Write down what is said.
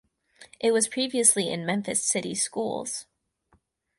It was previously in Memphis City Schools.